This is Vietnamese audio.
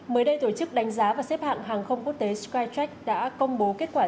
mới đây tổ chức đánh giá và xếp hạng hàng không quốc tế skytrack đã công bố kết quả